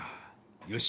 よし。